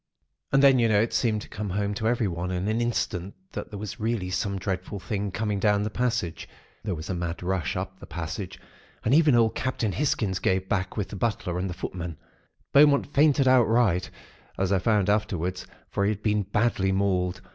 "And then, you know, it seemed to come home to everyone in an instant that there was really some dreadful thing coming down the passage. There was a mad rush up the passage, and even old Captain Hisgins gave back with the butler and the footmen. Beaumont fainted outright, as I found afterwards; for he had been badly mauled.